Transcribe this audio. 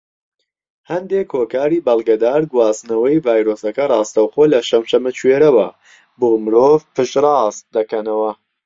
هەندێک هۆکاری بەڵگەدار گواستنەوەی ڤایرۆسەکە ڕاستەوخۆ لە شەمشەمەکوێرەوە بۆ مرۆڤ پشت ڕاست دەکەنەوە.